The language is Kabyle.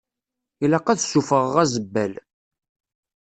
Ilaq ad ssufɣeɣ azebbal.